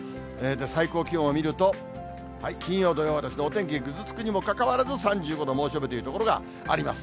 最高気温を見ると、金曜、土曜はお天気ぐずつくにもかかわらず、３５度、猛暑日という所があります。